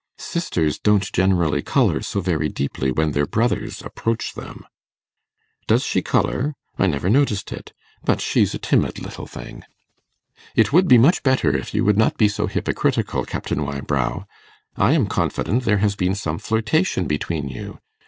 'Sisters don't generally colour so very deeply when their brothers approach them.' 'Does she colour? I never noticed it. But she's a timid little thing.' 'It would be much better if you would not be so hypocritical, Captain Wybrow. I am confident there has been some flirtation between you.